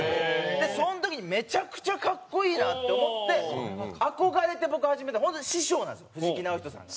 でその時にめちゃくちゃ格好いいなって思って憧れて僕始めた本当に師匠なんですよ藤木直人さんが。